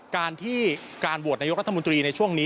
การที่การโหวตนายกรัฐมนตรีในช่วงนี้